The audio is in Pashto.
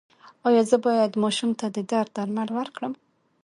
ایا زه باید ماشوم ته د درد درمل ورکړم؟